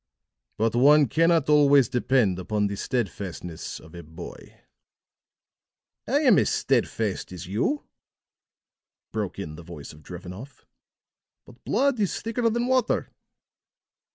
But one cannot always depend upon the steadfastness of a boy." "I am as steadfast as you," broke in the voice of Drevenoff. "But blood is thicker than water."